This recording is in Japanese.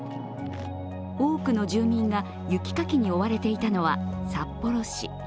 多くの住民が雪かきに追われていたのは札幌市。